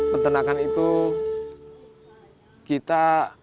peternakan itu kita